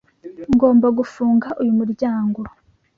Ngomba gufunga uyu muryango.